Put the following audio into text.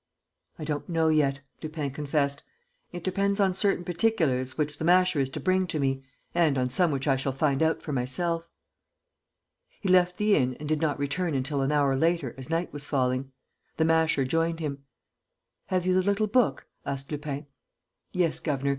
"I don't know yet," Lupin confessed. "It depends on certain particulars which the Masher is to bring me and on some which I shall find out for myself." He left the inn and did not return until an hour later as night was falling. The Masher joined him. "Have you the little book?" asked Lupin. "Yes, governor.